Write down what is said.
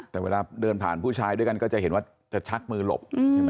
แต่เวลาเดินผ่านผู้ชายด้วยกันก็จะเห็นว่าจะชักมือหลบใช่ไหม